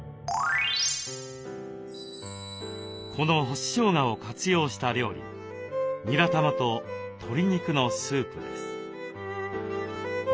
この干ししょうがを活用した料理にらたまと鶏肉のスープです。